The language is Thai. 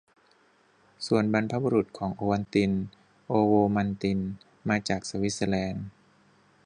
ส่วนบรรพบุรุษของโอวัลติน "โอโวมัลติน" มาจากสวิสเซอร์แลนด์